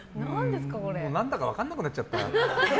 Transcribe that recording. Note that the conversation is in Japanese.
何だか分からなくなっちゃった。